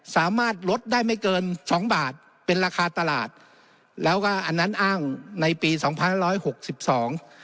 สามารถลดได้ไม่เกินสองบาทเป็นราคาตลาดแล้วก็อันนั้นอ้างในปีสองพันร้อยหกสิบสอง